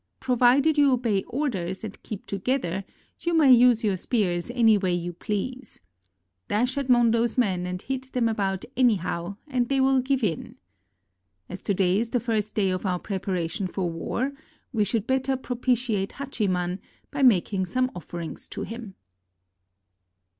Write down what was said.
Provided you obey orders and keep together, you may use your spears any way you please. Dash at Mondo's men and hit them about anyhow and they will give in. As to day is the first day of our preparation for war, we should better propitiate Hachiman by making some offerings to him."